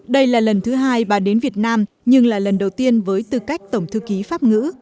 đây là lần thứ hai bà đến việt nam nhưng là lần đầu tiên với tư cách tổng thư ký pháp ngữ